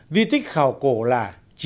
di tích khảo cổ là chín mươi chín